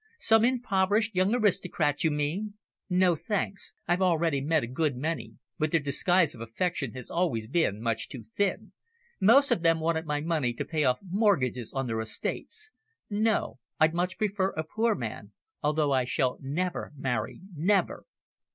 "Some impoverished young aristocrat, you mean? No, thanks. I've already met a good many, but their disguise of affection has always been much too thin. Most of them wanted my money to pay off mortgages on their estates. No, I'd much prefer a poor man although I shall never marry never."